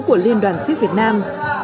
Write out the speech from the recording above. của liên đoàn tiếp việt nam